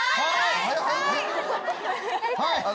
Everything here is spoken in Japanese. はい！